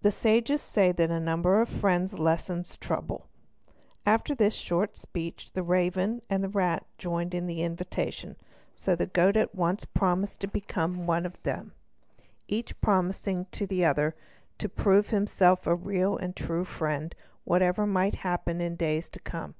The sages say that a number of friends lessens trouble." After this short speech the raven and the rat joined in the invitation, so that the goat at once promised to become one of them, each promising the other to prove himself a real and true friend whatever might happen in days to come.